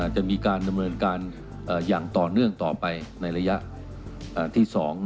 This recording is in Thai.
จะมีการดำเนินการอย่างต่อเนื่องต่อไปในระยะที่๒